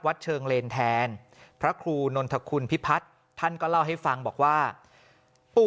เชิงเลนแทนพระครูนนทคุณพิพัฒน์ท่านก็เล่าให้ฟังบอกว่าปู่